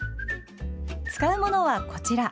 使うものは、こちら。